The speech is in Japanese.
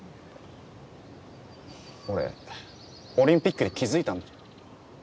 俺、オリンピックで気付いたんだ。